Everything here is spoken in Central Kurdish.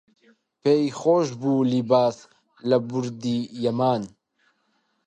پێی خۆش بوو لیباس لە بوردی یەمان